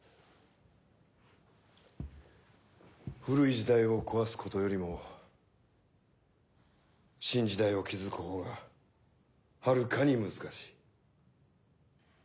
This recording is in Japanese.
古い時代を壊すことよりも新時代を築くほうがはるかに難しい。